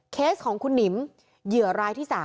เคสของคุณหนิมเหยื่อรายที่๓